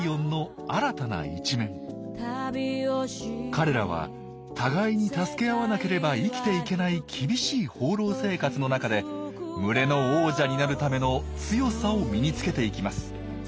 彼らは互いに助け合わなければ生きていけない厳しい放浪生活の中で群れの王者になるための強さを身につけていきます。